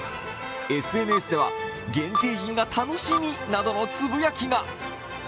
ＳＮＳでは限定品が楽しみなどのつぶやきが。